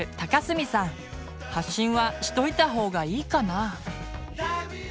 発信はしといた方がいいかな？